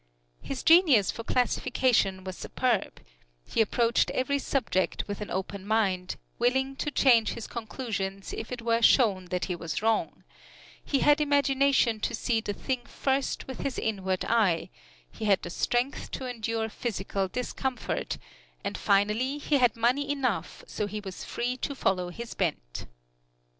His genius for classification was superb; he approached every subject with an open mind, willing to change his conclusions if it were shown that he was wrong; he had imagination to see the thing first with his inward eye; he had the strength to endure physical discomfort, and finally he had money enough so he was free to follow his bent.